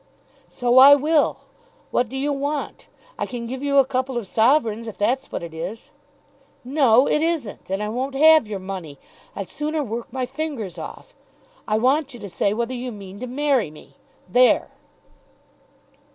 "So I will. What do you want? I can give you a couple of sovereigns, if that's what it is." "No it isn't; and I won't have your money. I'd sooner work my fingers off. I want you to say whether you mean to marry me. There!"